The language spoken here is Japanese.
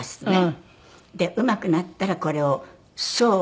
でうまくなったらこれを窓烏と。